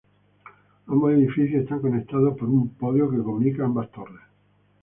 Ambos edificios están conectados por un podio que comunica ambas torres.